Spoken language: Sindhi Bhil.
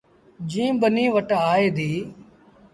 جيٚن ٻنيٚ وٽ آئي ديٚ ۔